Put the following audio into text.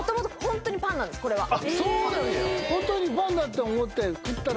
あっそうなんや！